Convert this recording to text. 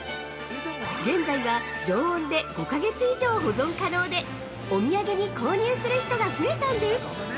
現在は常温で５か月以上保存可能で、お土産に購入する人が増えたんです。